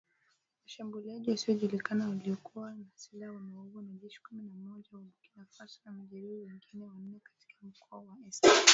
Washambuliaji wasiojulikana waliokuwa na silaha wamewaua wanajeshi kumi na mmoja wa Burkina Faso na kuwajeruhi wengine wanane katika mkoa wa Est